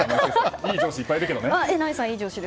いい上司いっぱいいますからね。